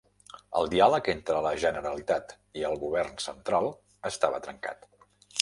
El diàleg entre la Generalitat i el govern central estava trencat.